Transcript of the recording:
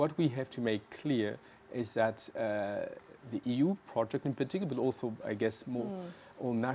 terdiri dari negara negara berbeda